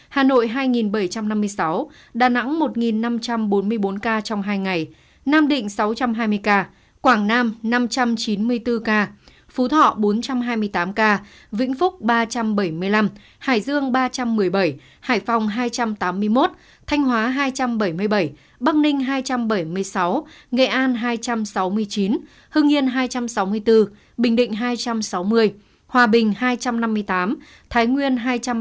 hà nội hai bảy trăm năm mươi sáu đà nẵng một năm trăm bốn mươi bốn ca trong hai ngày nam định sáu trăm hai mươi ca quảng nam năm trăm chín mươi bốn ca phú thọ bốn trăm hai mươi tám ca vĩnh phúc ba trăm bảy mươi năm hải dương ba trăm một mươi bảy hải phòng hai trăm tám mươi một thanh hóa hai trăm bảy mươi bảy bắc ninh hai trăm bảy mươi sáu nghệ an hai trăm sáu mươi chín hương yên hai trăm sáu mươi bốn bình định hai trăm sáu mươi hòa bình hai trăm năm mươi tám thái nguyên hai trăm ba mươi bảy